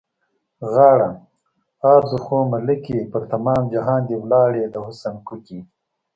غاړه؛ آ، درخو ملکې! پر تمام جهان دې ولاړې د حُسن کوکې.